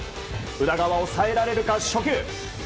裏側、抑えられるか初球。